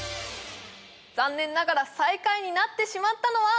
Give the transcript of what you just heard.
残念ながら最下位になってしまったのは